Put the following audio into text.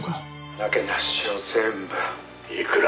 「なけなしを全部」「いくら？」